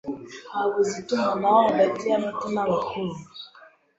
Habuze itumanaho hagati yabato n'abakuru.